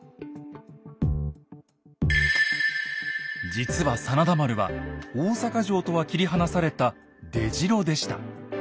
実は真田丸は大坂城とは切り離された出城でした。